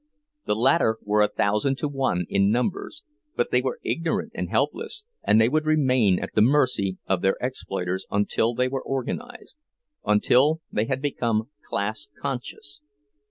The latter were a thousand to one in numbers, but they were ignorant and helpless, and they would remain at the mercy of their exploiters until they were organized—until they had become "class conscious."